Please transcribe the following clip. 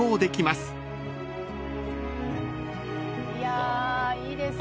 いやいいですね。